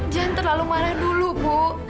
jangan terlalu marah dulu bu